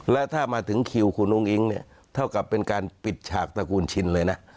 และถ้ามาถึงคิวคุณอุ้งอิ๊งเนี่ยเท่ากับเป็นการปิดฉากตระกูลชินเลยนะ